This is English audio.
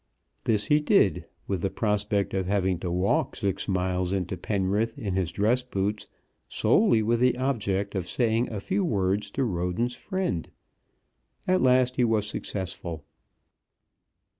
This he did, with the prospect of having to walk six miles into Penrith in his dress boots, solely with the object of saying a few words to Roden's friend. At last he was successful.